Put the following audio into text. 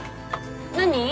何？